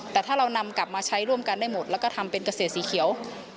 แต่ถ้าเรานำกลับมาใช้ร่วมกันได้หมดแล้วก็ทำเป็นเกษตรสีเขียว